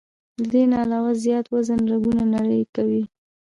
د دې نه علاوه زيات وزن رګونه نري کوي